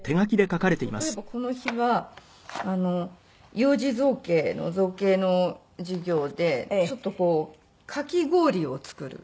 例えばこの日は幼児造形の造形の授業でちょっとこうかき氷を作る。